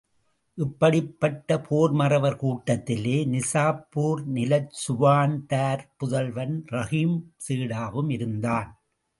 இப்படிப்பட்ட போர்மறவர் கூட்டத்திலே, நிஜாப்பூர் நிலச் சுவான்தார் புதல்வன் ரஹீம் சேடாவும் இருந்தான்.